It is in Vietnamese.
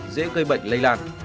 dễ gây bệnh lây lan